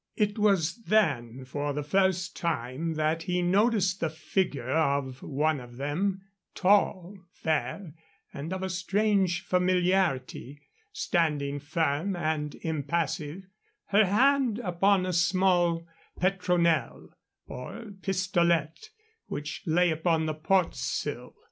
It was then for the first time that he noticed the figure of one of them, tall, fair, and of a strange familiarity, standing firm and impassive, her hand upon a small petronel, or pistolet, which lay upon the port sill.